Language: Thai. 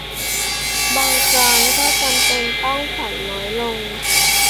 บางครั้งก็จำเป็นต้องฝันน้อยลง